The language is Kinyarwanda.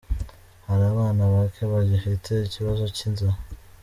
Hari abana bake bagifite ikibazo cy’inzara.